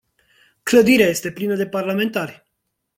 Clădirea este plină de parlamentari.